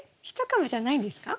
１株じゃないんですか？